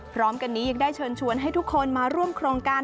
พร้อมกันนี้ยังได้เชิญชวนให้ทุกคนมาร่วมโครงการ